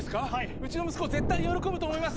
うちの息子絶対喜ぶと思います！